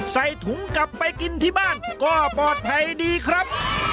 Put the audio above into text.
ใส่ถุงกลับไปกินที่บ้านก็ปลอดภัยดีครับ